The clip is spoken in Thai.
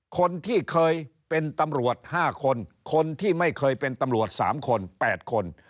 คนที่เคยเป็นตำรวจ๕คนคนที่ไม่เคยเป็นตำรวจ๓คน๘คน